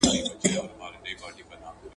• چي تور نه مري، بور به هم نه مري.